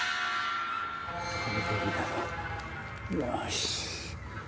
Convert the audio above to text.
よし！